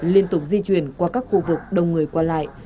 liên tục di chuyển qua các khu vực đông người qua lại